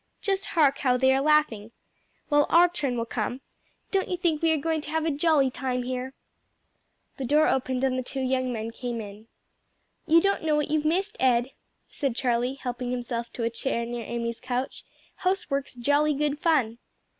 Just hark how they are laughing! Well, our turn will come. Don't you think we are going to have a jolly time here?" The door opened and the two young men came in. "You don't know what you've missed, Ed," said Charlie helping himself to a chair near Amy's couch; "housework's jolly good fun."